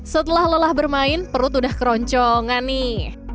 setelah lelah bermain perut udah keroncongan nih